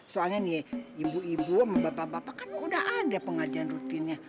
soalnya nih ibu ibu sama bapak bapak kan udah ada pengajian rutinnya